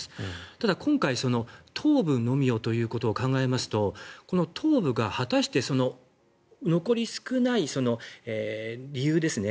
ただ、今回は頭部のみをということを考えますとこの頭部が、果たして残り少ない理由ですね